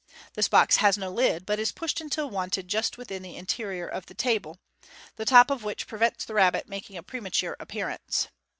This box has no lid, but is pushed until wanted just within the interior of the table, the top of which prevents the rabbit making a premature appearance.